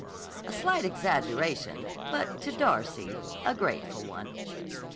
A slight exaggeration, but to Darcy, a grateful one.